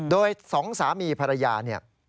โดยสองสามีภรรยาเนี่ย